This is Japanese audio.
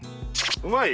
うまい？